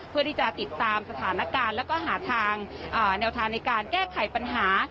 เพื่อที่จะติดตามและหาทางแนวทางในการแก้ไขปัญหา